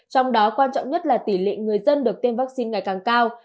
trong đó quan trọng nhất là tỷ lệ người dân được tiêm vaccine ngày càng cao